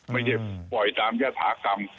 ไม่ใช่ปล่อยตามยฐากรรม